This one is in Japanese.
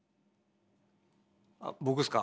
あ僕っすか？